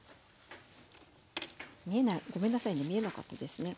ごめんなさいね見えなかったですね。